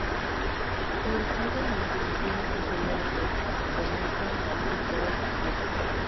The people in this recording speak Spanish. Surgido en las Divisiones Inferiores del Conesa Football Club.